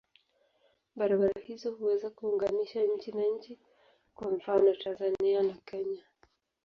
Barabara hizo huweza kuunganisha nchi na nchi, kwa mfano Tanzania na Kenya.